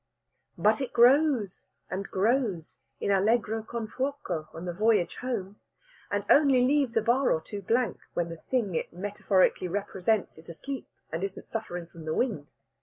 But it grows and grows, and in allegro con fuoco on the voyage home, and only leaves a bar or two blank, when the thing it metaphorically represents is asleep and isn't suffering from the wind.